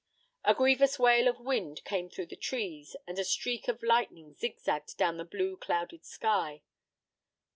A grievous wail of wind came through the trees, and a streak of lightning zig zagged down the blue clouded sky.